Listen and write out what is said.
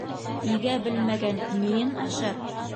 Игә белмәгән ниен ашар?